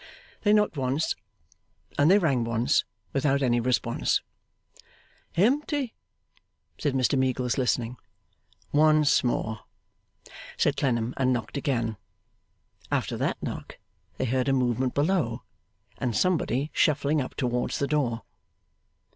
They knocked once, and they rang once, without any response. 'Empty,' said Mr Meagles, listening. 'Once more,' said Clennam, and knocked again. After that knock they heard a movement below, and somebody shuffling up towards the door.